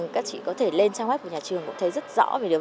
các chị có thể lên trang web của nhà trường cũng thấy rất rõ về điều này